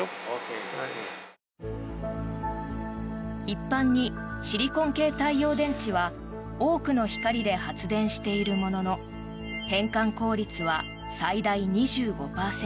一般にシリコン系太陽電池は多くの光で発電しているものの変換効率は最大２５％。